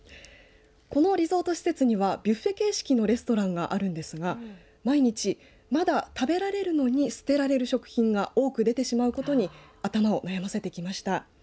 このリゾート施設にはビュッフェ形式のレストランがあるんですが毎日まだ食べられるのに捨てられる食品が多く出てしまうことに頭を悩ませてきました。